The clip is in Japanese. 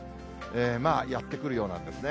まあ、やって来るようなんですね。